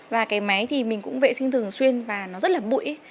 và cái máy thì mình cũng vệ sinh thường xuyên và nó rất là bụi